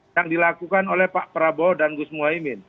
yang dilakukan oleh pak prabowo dan gus muhaymin